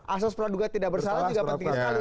asas peraduga tidak bersalah juga penting sekali